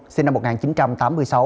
sinh năm một nghìn chín trăm tám mươi sáu